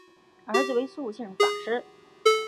儿子为素性法师。